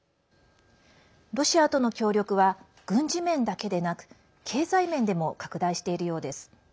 ロシアとの協力は軍事面だけでなく経済面でも拡大しているようです。